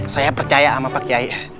saya percaya sama pak kiai